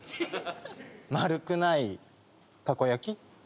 丸くないたこ焼き。